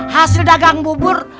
hasil dagang bubur